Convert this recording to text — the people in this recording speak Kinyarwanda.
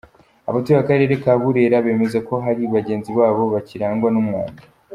Abatuye akarere ka Burera bemeza ko hari bagenzi babo bakirangwa n’umwanda.